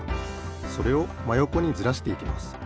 それをまよこにずらしていきます。